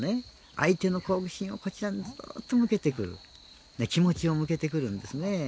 相手の好奇心をずっと向けてくる気持ちを向けてくるんですね。